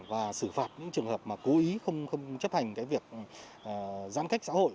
và xử phạt những trường hợp mà cố ý không chấp hành cái việc giãn cách xã hội